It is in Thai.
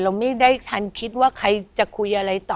เราไม่ได้ทันคิดว่าใครจะคุยอะไรต่อ